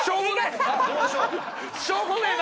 しょうもねえ！